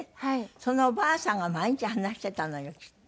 そのおばあさんが毎日話してたのよきっと。